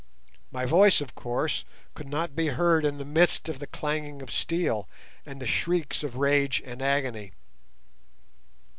My voice, of course, could not be heard in the midst of the clanging of steel and the shrieks of rage and agony.